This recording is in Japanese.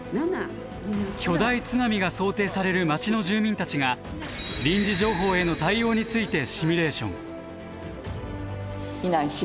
巨大津波が想定される町の住民たちが臨時情報への対応についてせの。